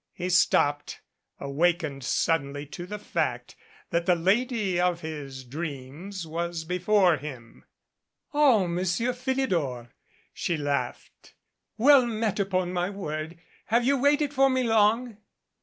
He stopped, awakened suddenly to the fact that the lady of his dreams was before him. "O Monsieur Philidor!" she laughed. "Well met, upon my word! Have you waited for me long?"